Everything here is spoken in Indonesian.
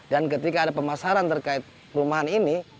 dan ketika ada pemasaran terkait perumahan ini